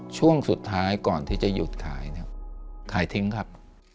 ช่วงสุดท้ายก่อนที่จะหยุดขายเนี่ยขายทิ้งครับ